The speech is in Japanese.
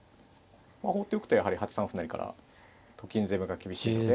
放っておくとやはり８三歩成からと金攻めが厳しいので。